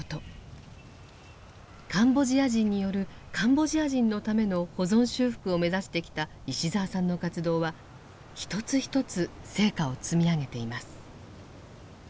カンボジア人によるカンボジア人のための保存修復を目指してきた石澤さんの活動は一つ一つ成果を積み上げています。